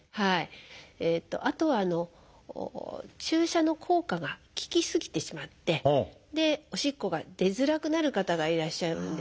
あとは注射の効果が効きすぎてしまっておしっこが出づらくなる方がいらっしゃるんですね